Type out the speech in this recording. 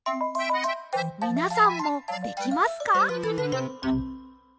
みなさんもできますか？